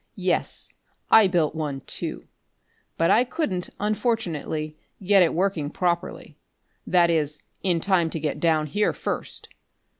Yes, I built one too. But I couldn't, unfortunately, get it working properly that is, in time to get down here first.